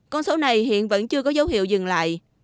con số này hiện vẫn chưa có dấu hiệu dừng lại